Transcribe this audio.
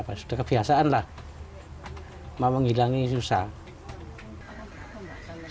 karena sudah kebiasaan lah menghilang ini susah